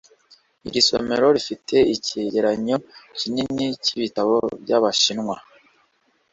iri somero rifite icyegeranyo kinini cyibitabo byabashinwa